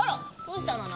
どうしたの？